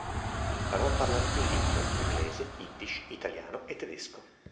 Imparò a parlare più lingue: inglese, yiddish, italiano e tedesco.